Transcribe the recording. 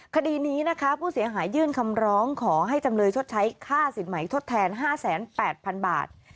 คดีนี้นะคะผู้เสียหายยื่นคำร้องขอให้จำเลยชดใช้ค่าสินใหม่ทดแทน๕๘๐๐๐บาท